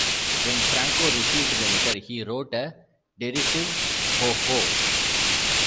When Franco received the letter, he wrote a derisive Ho-ho.